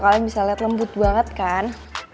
kalian bisa lihat lembut banget kan